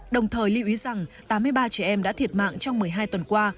đồng thời lưu ý rằng tám mươi ba trẻ em đã thiệt mạng trong một mươi hai tuần qua